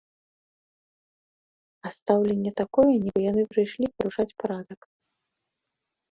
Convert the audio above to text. А стаўленне такое, нібы яны прыйшлі парушаць парадак.